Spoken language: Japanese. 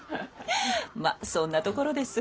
まそんなところです。